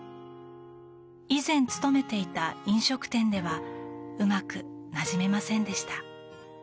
以前勤めていた飲食店ではうまく馴染めませんでした。